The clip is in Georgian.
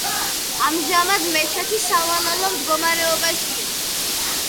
ამჟამად მეჩეთი სავალალო მდგომარეობაშია.